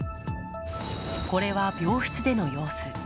これは病室での様子。